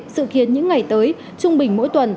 sự khiến những ngày tới trung bình mỗi tuần